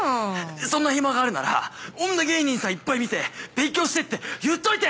そんな暇があるなら女芸人さんいっぱい見て勉強してって言っといて！